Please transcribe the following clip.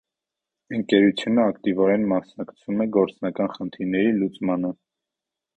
Ընկերությունն ակտիվորեն մասնակցում է գործնական խնդիրների լուծմանը։